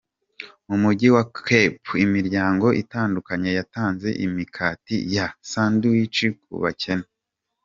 Mu mujyi wa Cap, imiryango itandukanye yatanze imikati ya sandwiches ku bakene .